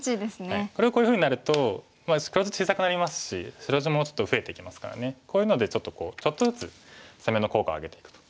これをこういうふうになると黒地小さくなりますし白地もちょっと増えてきますからこういうのでちょっとずつ攻めの効果を上げていくと。